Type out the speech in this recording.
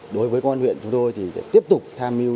đối với công an huyện chúng tôi thì tiếp tục tham mưu